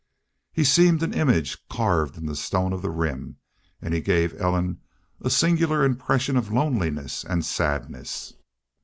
He seemed an image carved in the stone of the Rim, and he gave Ellen a singular impression of loneliness and sadness.